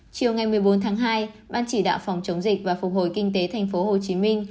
chiều ngày một mươi bốn tháng hai ban chỉ đạo phòng chống dịch và phục hồi kinh tế thành phố hồ chí minh